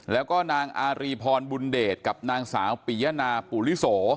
แล้วก็นางอารีพรบุญเดชกับนางสาวปิยนาปุริโส